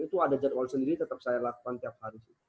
itu ada jadwal sendiri tetep saya lakukan tiap hari